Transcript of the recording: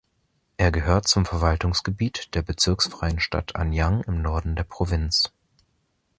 Er gehört zum Verwaltungsgebiet der bezirksfreien Stadt Anyang im Norden der Provinz.